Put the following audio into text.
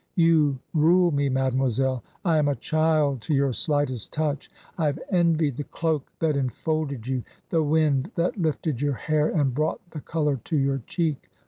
You rule me, mademoiselle ; I am a child to your slightest touch. I have envied the cloak that enfolded you, the wind that lifted your hair and brought the colour to your cheek.